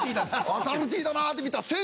アダルティーだなって見たら。